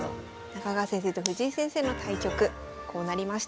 中川先生と藤井先生の対局こうなりました。